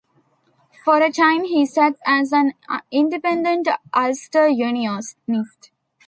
For a time he sat as an "Independent Ulster Unionist".